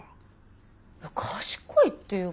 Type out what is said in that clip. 賢いっていうか。